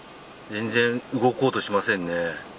全然、動こうとしませんね。